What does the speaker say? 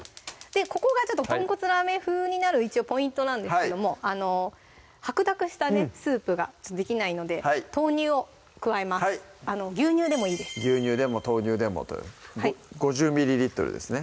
ここが「とんこつラーメン風」になる一応ポイントなんですけども白濁したねスープができないので豆乳を加えます牛乳でもいいです牛乳でも豆乳でもという５０ですね